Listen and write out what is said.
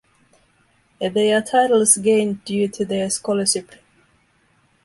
They are titles gained due to their scholarship.